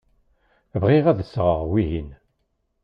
Bɣiɣ ad d-sɣeɣ wihin.